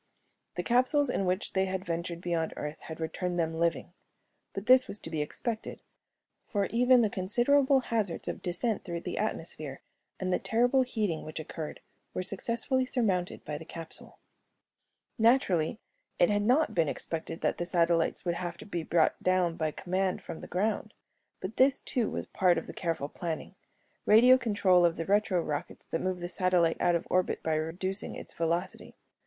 The capsules in which they had ventured beyond Earth had returned them living. But this was to be expected, for even the considerable hazards of descent through the atmosphere and the terrible heating which occurred were successfully surmounted by the capsule. Naturally, it had not been expected that the satellites would have to be brought down by command from the ground. But this, too, was part of the careful planning radio control of the retro rockets that move the satellite out of orbit by reducing its velocity.